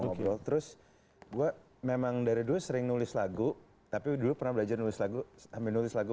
ngobrol terus gue memang dari dulu sering nulis lagu tapi dulu pernah belajar menulis lagu